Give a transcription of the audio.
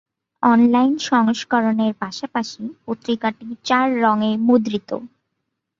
Online সংস্করণের পাশাপাশি পত্রিকাটি চার রঙে মুদ্রিত।